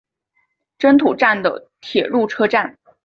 真土站的铁路车站。